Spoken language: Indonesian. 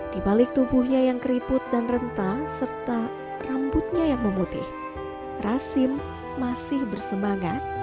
di balik tubuhnya yang keriput dan rentah serta rambutnya yang memutih rasim masih bersemangat